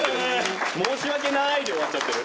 申し訳ないで終わっちゃってる。